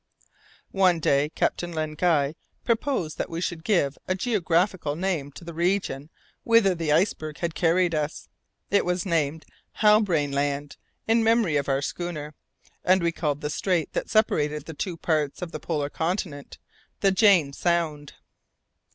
One day, Captain Len Guy proposed that we should give a geographical name to the region whither the iceberg had carried us. It was named Halbrane Land, in memory of our schooner, and we called the strait that separated the two parts of the polar continent the Jane Sound.